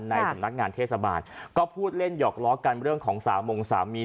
ในสำนักงานเทศบาลก็พูดเล่นหยอกล้อกันเรื่องของสามงสามี